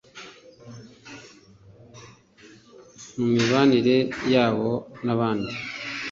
mu mibanire yabo n’abandi